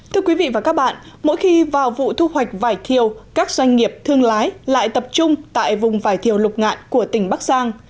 thưa quý vị và các bạn mỗi khi vào vụ thu hoạch vải thiều các doanh nghiệp thương lái lại tập trung tại vùng vải thiều lục ngạn của tỉnh bắc giang